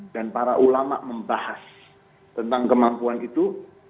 dan para ulama membahas tentang kemampuan itu